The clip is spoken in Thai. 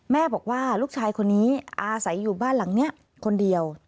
แม่บอกว่าลูกชายคนนี้อาศัยอยู่บ้านหลังนี้คนเดียว